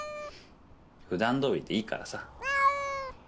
普段どおりでいいからさ。